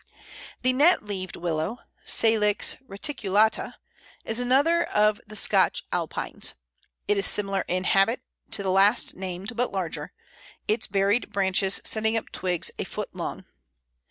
The Net leaved Willow (Salix reticulata) is another of the Scotch Alpines. It is similar in habit to the last named, but larger, its buried branches sending up twigs a foot long.